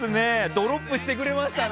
ドロップしてくれましたね。